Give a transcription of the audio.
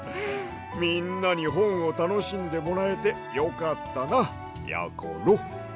みんなにほんをたのしんでもらえてよかったなやころ。